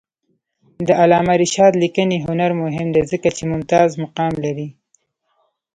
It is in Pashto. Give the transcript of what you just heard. د علامه رشاد لیکنی هنر مهم دی ځکه چې ممتاز مقام لري.